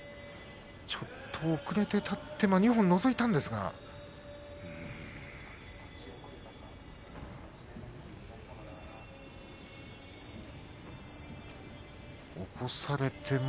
ちょっと後れて立って二本のぞいたんですけれど。